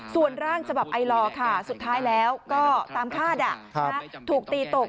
ส่วนร่างฉบับไอลอร์ค่ะสุดท้ายแล้วก็ตามคาดถูกตีตก